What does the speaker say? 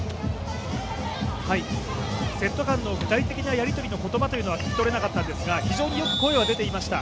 セット間の具体的なやり取りの言葉というのは聞き取れなかったんですが非常によく声は出ていました。